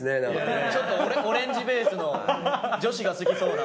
オレンジベースの女子が好きそうな。